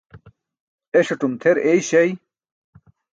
Eṣatum tʰer eyśay.